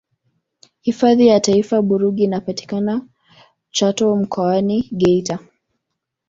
hifadhi ya taifa burigi inapatikana chato mkoani geita